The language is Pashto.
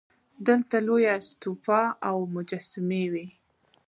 دلته لویه استوپا او مجسمې وې